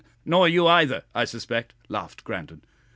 "Nor you either, I suspect," laughed Grandon.